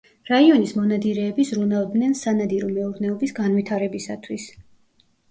რაიონის მონადირეები ზრუნავდნენ სანადირო მეურნეობის განვითარებისათვის.